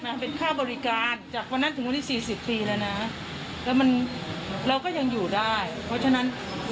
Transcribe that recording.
มันเป็นอะไรที่ใช่รอตเตอรี่เออความเสี่ยงโชคเราชอบมาก